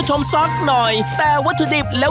ใช่ทั่วประเทศเลย